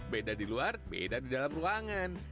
beda di luar beda di dalam ruangan